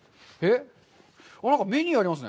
何かメニューがありますね。